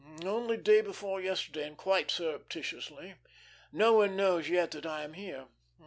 "Only day before yesterday, and quite surreptitiously. No one knows yet that I am here.